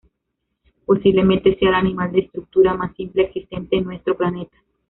Posiblemente sea el animal de estructura más simple existente en nuestro planeta.